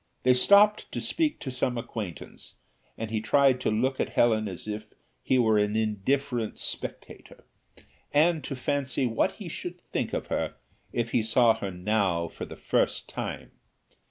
They stopped to speak to some acquaintance, and he tried to look at Helen as if he were an indifferent spectator, and to fancy what he should think of her if he saw her now for the first time.